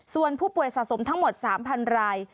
ส่วนผู้ป่วยสะสมทั้งหมด๓๐๐ราย